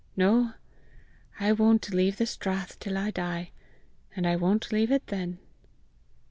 No; I won't leave the strath till I die and I won't leave it then!"